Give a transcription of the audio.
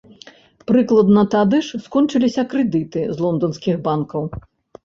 Прыкладна тады ж скончыліся крэдыты з лонданскіх банкаў.